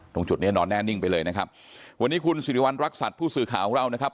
ตรงจุดนี้นอนแน่นิ่งไปเลยนะครับวันนี้คุณสิริวัณรักษัตริย์ผู้สื่อข่าวของเรานะครับ